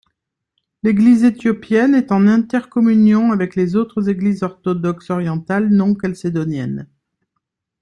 L'Église éthiopienne est en intercommunion avec les autres Églises orthodoxes orientales, non chalcédoniennes.